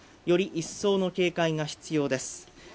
より一層の警戒が必要です